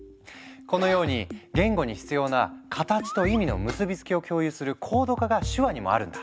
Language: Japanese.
このように言語に必要な形と意味の結びつきを共有するコード化が手話にもあるんだ。